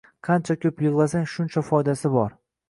Qancha ko`p yig`lasang, shuncha foydasi bor